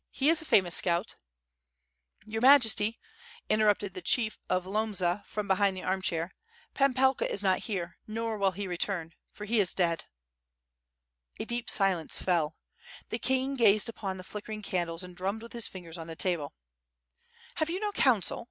he is a famous scout." "Your Majesty," interrupted the Chief of Lomza from be hind the arm chair, "Pan Pelka is not here, nor will he re turn, for he is dead." A deep silence fell. The king gazed upon the flickering candles and drummed with his fingers on the table. WITH FIRE AND SWORD. jg^ "Have you no counsel?"